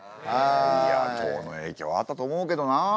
いや唐の影響はあったと思うけどな。